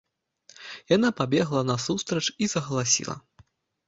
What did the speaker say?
Яна пабегла насустрач і загаласіла.